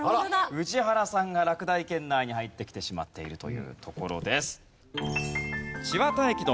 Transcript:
宇治原さんが落第圏内に入ってきてしまっているというところです。